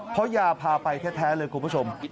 เพราะยาพาไปแท้เลยคุณผู้ชม